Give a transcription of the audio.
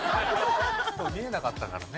そう見えなかったからね。